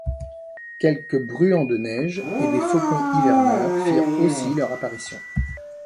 Quelques « bruants de neige » et des « faucons hiverneurs » firent aussi leur apparition.